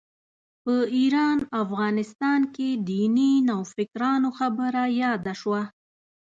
په ایران افغانستان کې دیني نوفکرانو خبره یاده شوه.